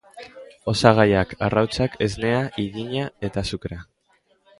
Osagaiak: arrautzak, esnea, irina eta azukrea.